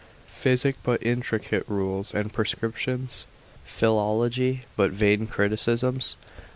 physic, but intricate rules and prescriptions? philology, but vain criticisms?